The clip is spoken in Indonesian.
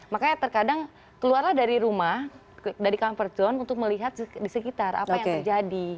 makanya terkadang keluarlah dari rumah dari comfort zone untuk melihat di sekitar apa yang terjadi